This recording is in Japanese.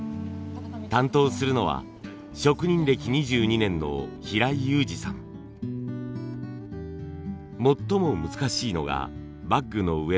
担当するのは職人歴２２年の最も難しいのがバッグの上のくぼんだ所。